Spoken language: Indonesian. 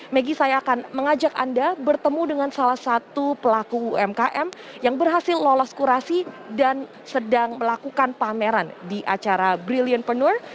maggie saya akan mengajak anda bertemu dengan salah satu pelaku umkm yang berhasil lolos kurasi dan sedang melakukan pameran di acara brilliantpreneur